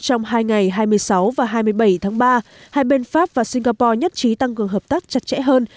trong hai ngày hai mươi sáu và hai mươi bảy tháng ba hai bên pháp và singapore nhất trí tăng cường hợp tác chặt chẽ hơn